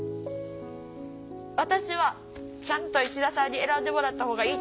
私はちゃんと石田さんに選んでもらった方がいいと思う。